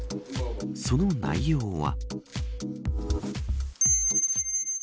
その内容は。